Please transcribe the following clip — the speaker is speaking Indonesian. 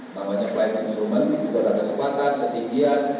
namanya flight consumer di situ ada kecepatan ketinggian